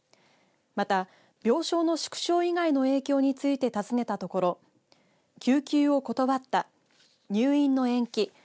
また、病床の縮小以外の影響について尋ねたところ救急を断った入院の延期